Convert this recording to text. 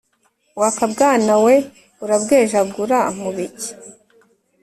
Wakabwana we urabwejagura mu biki?